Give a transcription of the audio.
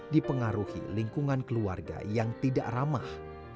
dipengaruhi lingkungan keluarga yang tidak ramah